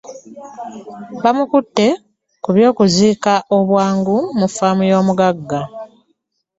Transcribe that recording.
Bamukutte ku by'okuziika obwangu mu faamu y'omugagga .